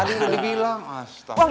ada yang udah dibilang astagfirullah